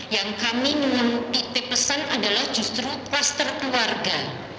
yang kami mengutip pesan adalah justru klaster keluarga